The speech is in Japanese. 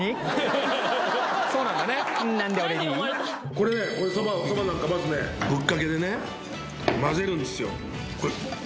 これねそばなんかまずねぶっかけでね混ぜるんですよ